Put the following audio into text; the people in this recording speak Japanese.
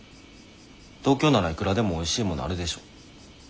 東京ならいくらでもおいしいものあるでしょ。